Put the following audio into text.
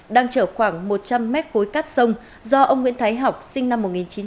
đang chở khoảng một trăm linh mét khối cát sông do ông nguyễn thái học sinh năm một nghìn chín trăm tám mươi